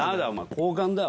交換だよ